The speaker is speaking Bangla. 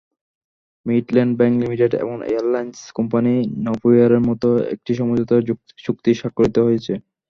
মিডল্যান্ড ব্যাংক লিমিটেড এবং এয়ারলাইনস কোম্পানি নভোএয়ারের মধ্যে একটি সমঝোতা চুক্তি স্বাক্ষরিত হয়েছে।